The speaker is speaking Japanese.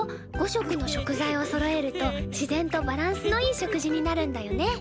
５色の食材をそろえると自然とバランスのいい食事になるんだよね。